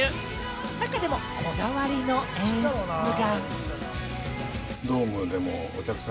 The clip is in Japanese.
中でも、こだわりの演出が。